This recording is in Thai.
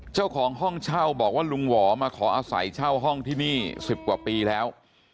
เจ้าของห้องเช่าบอกว่าลุงหวอมาขออาศัยเช่าห้องที่นี่๑๐กว่าปีแล้ว